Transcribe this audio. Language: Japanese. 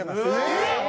えっ！